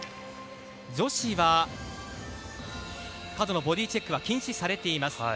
女子は過度なボディチェックは禁止されています。